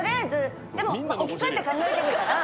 でも置き換えて考えてみたら。